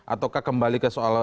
ataukah kembali ke soal